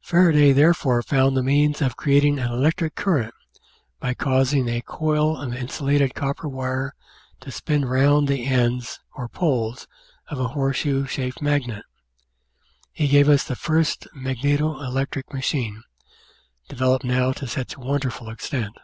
Faraday therefore found the means of creating an electric The Outline of Science current by causing a coil of insulated copper wire to spin round the ends or poles of a horseshoe shaped magnet. He us the tirst magneto electric machine, developed now to such 'ul extent.